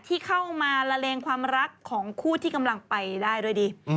ที่เข้ามาละเลงความรักของคู่ที่กำลังไปได้ด้วยดี